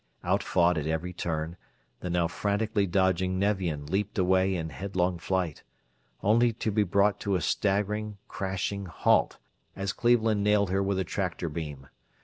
Outfought at every turn, the now frantically dodging Nevian leaped away in headlong flight, only to be brought to a staggering, crashing halt as Cleveland nailed her with a tractor beam.